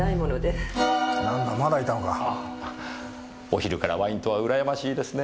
お昼からワインとはうらやましいですねぇ。